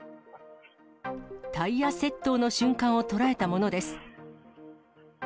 タイヤ窃盗の瞬間を捉えたものです。